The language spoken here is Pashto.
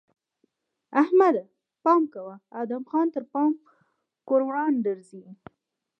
احمده! پام کوه؛ ادم خان تر پام ګوروان درځي!